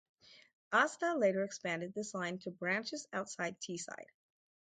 Asda later expanded this line to branches outside Teesside.